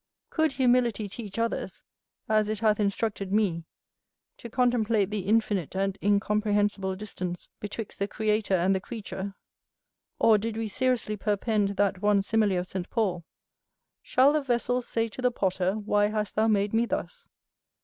Could humility teach others, as it hath instructed me, to contemplate the infinite and incomprehensible distance betwixt the Creator and the creature; or did we seriously perpend that one simile of St Paul, "shall the vessel say to the potter, why hast thou made me thus?"